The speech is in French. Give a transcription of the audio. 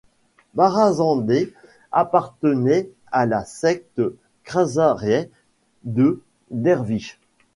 Barazandeh appartenait à la secte Khaksarieh de Dervishes.